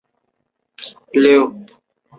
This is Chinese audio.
肩部的外旋活动受到限制的情形最严重。